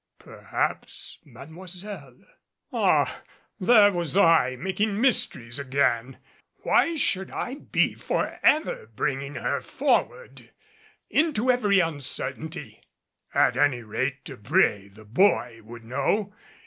Perhaps Mademoiselle Ah there was I making mysteries again! Why should I be forever bringing her forward into every uncertainty. At any rate Debré, the boy, would know.